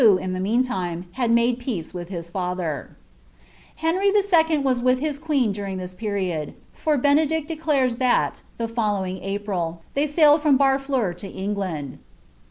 in the meantime, had made his peace with his father Hrnry 11. was with his queen during this period; for Benedict declares that, the following April, they sailed from Barfleur to England.